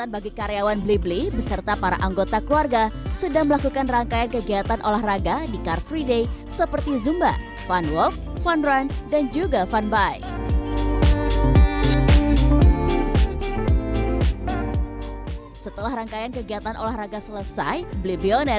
bagaimana perjalanan ke kota blibli